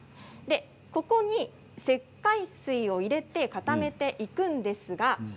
ここに石灰水を入れて固めていくんです。